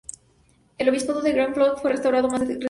El Obispado de Glasgow fue restaurado más que resucitado.